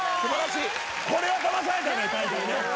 これはだまされたね谷さんね。